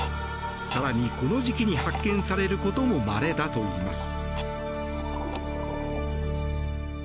更にこの時期に発見されることもまれだといいます。